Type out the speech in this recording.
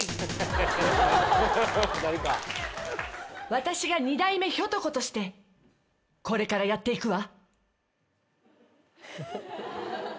私が２代目ひょと子としてこれからやっていくわ。